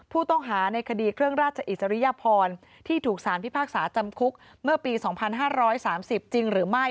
ผู้ต้องหาในคดีเครื่องราชอิสริยพรที่ถูกสารพิพากษาจำคุกเมื่อปี๒๕๓๐จริงหรือไม่